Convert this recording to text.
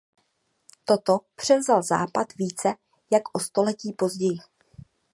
Toto převzal Západ více jak o století později.